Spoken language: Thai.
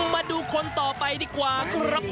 มาดูคนต่อไปดีกว่าครับ